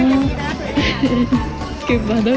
ขอบคุณครับ